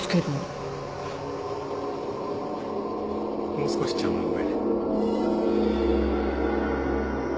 もう少し茶わん上